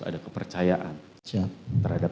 ada kepercayaan terhadap